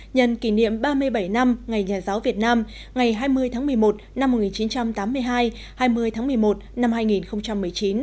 nhân kỷ niệm ba mươi bảy năm ngày nhà giáo việt nam ngày hai mươi tháng một mươi một năm một nghìn chín trăm tám mươi hai hai mươi tháng một mươi một năm hai nghìn một mươi chín